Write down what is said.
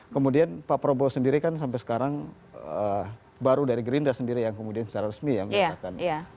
kemudian pak prabowo sendiri kan sampai sekarang baru dari gerindra sendiri yang kemudian secara resmi ya menyatakan